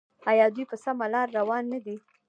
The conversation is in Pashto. آیا دوی په سمه لار روان نه دي؟